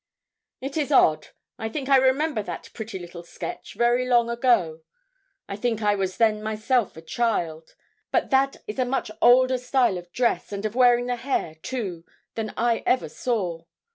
'It is odd; I think I remember that pretty little sketch, very long ago. I think I was then myself a child, but that is a much older style of dress, and of wearing the hair, too, than I ever saw.